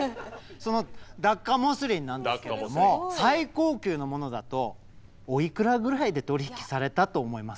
そのダッカモスリンなんですけれども最高級のものだとおいくらぐらいで取り引きされたと思います？